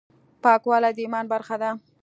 پاکوالی د ایمان برخه ده.